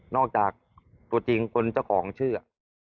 จากตัวจริงคนเจ้าของชื่อ